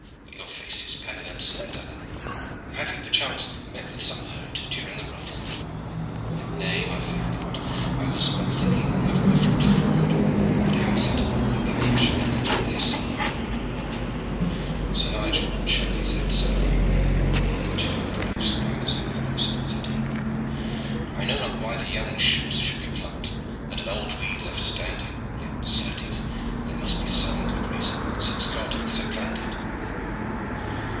But your face is pale and sad, Alleyne! Have you perchance met with some hurt during the ruffle?" "Nay, my fair lord, I was but thinking of my friend Ford, and how he sat upon my couch no later than yesternight." Sir Nigel shook his head sadly. "Two brave squires have I lost," said he. "I know not why the young shoots should be plucked, and an old weed left standing, yet certes there must be some good reason, since God hath so planned it.